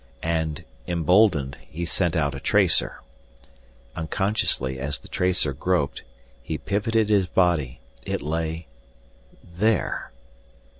And, emboldened, he sent out a tracer. Unconsciously, as the tracer groped, he pivoted his body. It lay there!